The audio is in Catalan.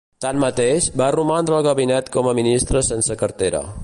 Tanmateix, va romandre al gabinet com a ministre sense cartera.